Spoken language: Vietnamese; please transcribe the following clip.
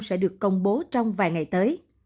sẽ được công bố